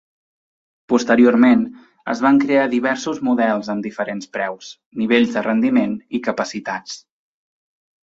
Posteriorment es van crear diversos models amb diferents preus, nivells de rendiment i capacitats.